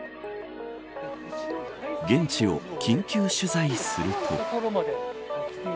現地を緊急取材すると。